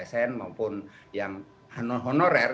yang hanya menggunakan tenaga honorer